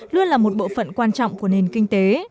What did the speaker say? luôn là một bộ phận quan trọng của nền kinh tế